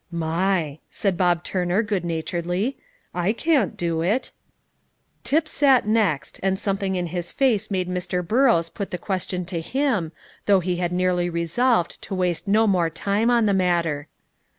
"My!" said Bob Turner good naturedly; "I can't do it." Tip sat next, and something in his face made Mr. Burrows put the question to him, though he had nearly resolved to waste no more time in the matter.